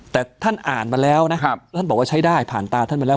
แต่ท่านอ่านมาแล้วนะท่านบอกว่าใช้ได้ผ่านตาท่านมาแล้ว